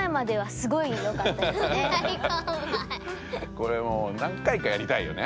これもうなん回かやりたいよね。